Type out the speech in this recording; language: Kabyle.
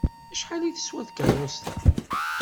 Acḥal i teswa tkeṛṛust-a?